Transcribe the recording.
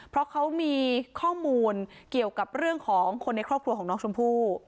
เพราะเขามีข้อมูลเกี่ยวกับเรื่องของคนในครอบครัวของน้องชมพู่